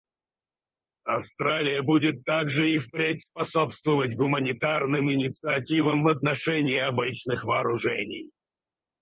Австралия будет также и впредь способствовать гуманитарным инициативам в отношении обычных вооружений.